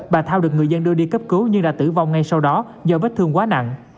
bà thao được người dân đưa đi cấp cứu nhưng đã tử vong ngay sau đó do vết thương quá nặng